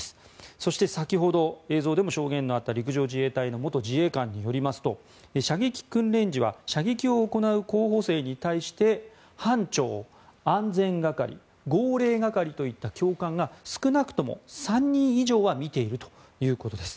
そして先ほど映像でも証言のあった陸上自衛隊の元自衛官によりますと射撃訓練時は射撃を行う候補生に対して班長、安全係号令係といった教官が少なくとも３人以上は見ているということです。